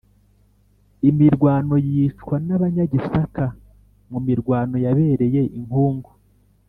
imirwano yicwa n Abanyagisaka mu mirwano yabereye i Nkungu